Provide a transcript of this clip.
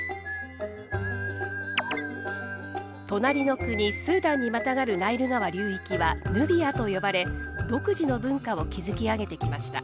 隣の国スーダンにまたがるナイル川流域はヌビアと呼ばれ独自の文化を築き上げてきました。